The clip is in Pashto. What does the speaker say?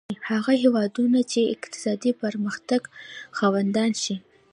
هغه هېوادونه چې اقتصادي پرمختګ خاوندان شي.